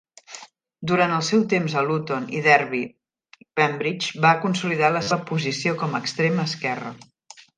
Durant el seu temps a Luton i Derby, Pembridge va consolidar la seva posició com a extrem esquerre.